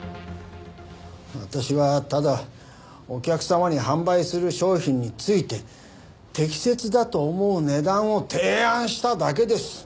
私はただお客様に販売する商品について適切だと思う値段を提案しただけです。